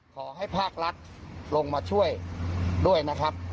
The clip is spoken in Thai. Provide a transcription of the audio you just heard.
ขอให้ภาครัฐลงมาช่วยด้วยนะครับ